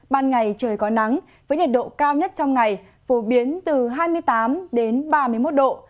ban ngày trời có nắng với nhiệt độ cao nhất trong ngày phổ biến từ hai mươi tám đến ba mươi một độ